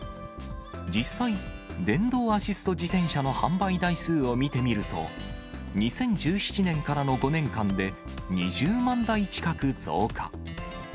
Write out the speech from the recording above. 実際、電動アシスト自転車の販売台数を見てみると、２０１７年からの５年間で、２０万台近く増加。